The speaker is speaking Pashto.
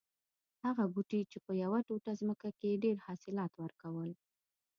هغه بوټی چې په یوه ټوټه ځمکه کې یې ډېر حاصلات ور کول